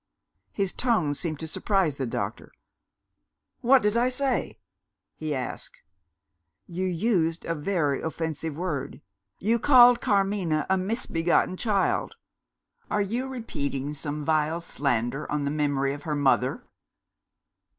His tone seemed to surprise the doctor. "What did I say?" he asked. "You used a very offensive word. You called Carmina a 'misbegotten child.' Are you repeating some vile slander on the memory of her mother?"